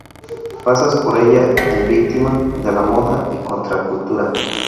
Pasas por ella en Victima de la moda y Contracultura.